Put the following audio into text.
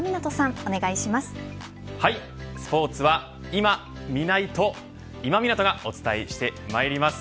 はい、スポーツはいま・みないと今湊がお伝えしてまいります。